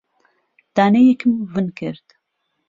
دانەیەکم ون کرد.